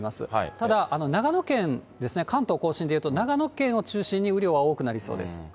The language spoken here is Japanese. ただ、長野県ですね、関東甲信でいうと、長野県を中心に、雨量は多くなりそうです。